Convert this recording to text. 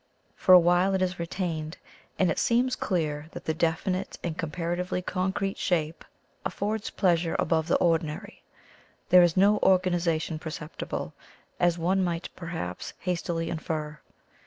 For a while it is retained, and it seems clear that the definite and comparatively concrete shape affords pleasure above the ordinary. There is no organization perceptible, as one might perhaps hastily infer.